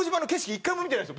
一回も見てないですよ。